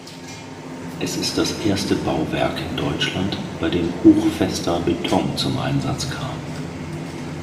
Es ist das erste Bauwerk in Deutschland, bei dem hochfester Beton zum Einsatz kam.